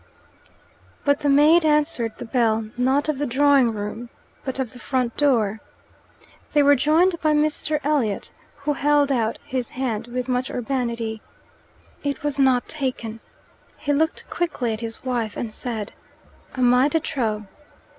But the maid answered the bell not of the drawing room, but of the front door. They were joined by Mr. Elliot, who held out his hand with much urbanity. It was not taken. He looked quickly at his wife, and said, "Am I de trop?"